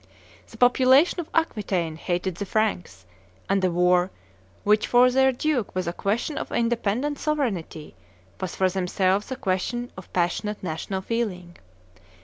The population of Aquitaine hated the Franks; and the war, which for their duke was a question of independent sovereignty, was for themselves a question of passionate national feeling.